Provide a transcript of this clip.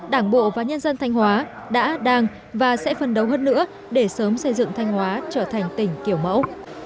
đảng bộ và nhân dân thanh hóa đã đang và sẽ phân đấu hơn nữa để sớm xây dựng thanh hóa trở thành tỉnh kiểu mẫu